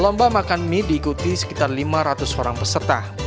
lomba makan mie diikuti sekitar lima ratus orang peserta